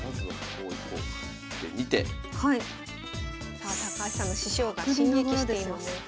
さあ高橋さんの獅子王が進撃しています。